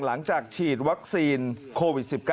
หลังจากฉีดวัคซีนโควิด๑๙